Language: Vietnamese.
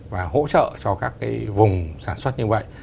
và hỗ trợ cho các cái vùng sản xuất như vậy